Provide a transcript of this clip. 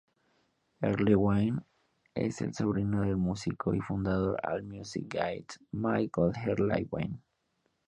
Erlewine es el sobrino del músico y fundador de All Music Guide, Michael Erlewine.